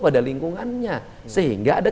pada lingkungannya sehingga ada